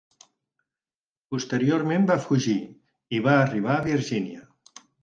Posteriorment va fugir i va arribar a Virgínia.